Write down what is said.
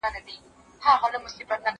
زه پرون موټر کاروم،